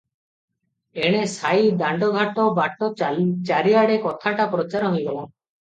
ଏଣେ ସାଇ, ଦାଣ୍ଡ, ଘାଟ, ବାଟ, ଚାରିଆଡ଼େ କଥାଟା ପ୍ରଚାର ହୋଇଗଲା ।